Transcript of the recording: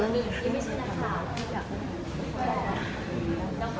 ที่มันมาก